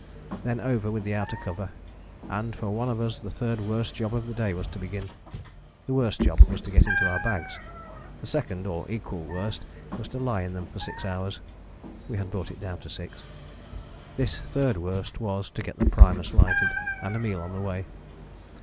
Then over with the outer cover, and for one of us the third worst job of the day was to begin. The worst job was to get into our bags: the second or equal worst was to lie in them for six hours (we had brought it down to six): this third worst was, to get the primus lighted and a meal on the way.